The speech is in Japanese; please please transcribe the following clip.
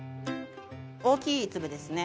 大きい粒ですね。